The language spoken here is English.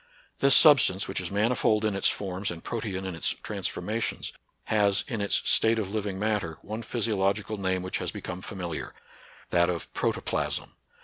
This substance, which is manifold in its forms and protean in its trans formations, has, in its state of living matter, one physiological name which has become familiar, that o? protoplasm.